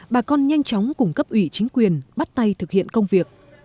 bà con nhanh chóng cùng cấp ủy chính quyền bắt tay thực hiện công việc